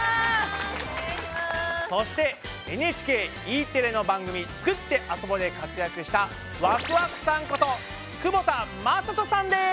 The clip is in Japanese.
そしてＮＨＫＥテレの番組「つくってあそぼ」で活躍したワクワクさんこと久保田雅人さんです！